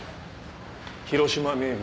「広島名物」。